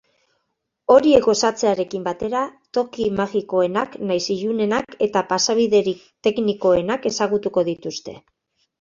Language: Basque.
Horiek gozatzearekin batera, toki magikoenak nahiz ilunenak eta pasabiderik teknikoenak ezagutuko dituzte.